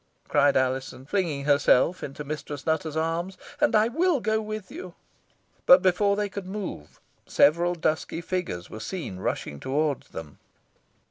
cried Alizon, flinging herself into Mistress Nutter's arms; "and I will go with you." But before they could move, several dusky figures were seen rushing towards them.